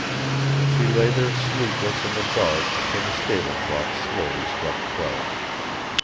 She lay there sleepless in the dark till the stable clock slowly struck twelve.